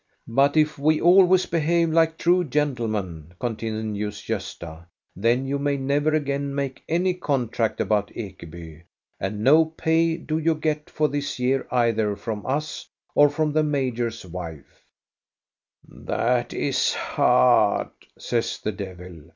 "But if we always behave like true gentlemen," continues Gosta, "then you may never again make any contract about Ekeby, and no pay do you get for this year either from us or from the major's wif&" "That is hard," says the devil.